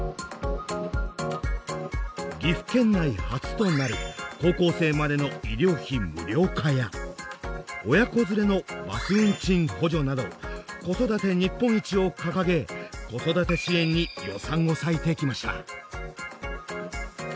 岐阜県内初となる高校生までの医療費無料化や親子連れのバス運賃補助など「子育て日本一」を掲げ子育て支援に予算を割いてきました。